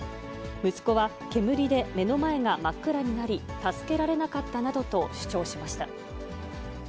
息子は煙で目の前が真っ暗になり、助けられなかったなどと主張しま